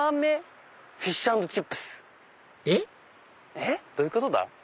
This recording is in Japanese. えっどういうことだ？